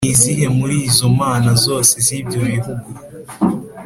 Ni izihe muri izo mana zose z’ibyo bihugu